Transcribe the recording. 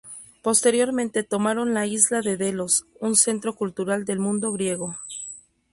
Posteriormente tomaron la isla de Delos, un centro cultural del mundo griego.